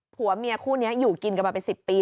ผัวเมียคู่นี้อยู่กินกันมาเป็น๑๐ปี